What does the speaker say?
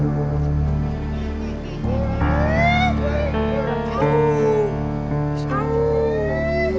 siapa tuh yang ketawa